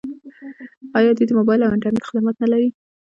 آیا دوی د موبایل او انټرنیټ خدمات نلري؟